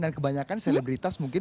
dan kebanyakan selebritas mungkin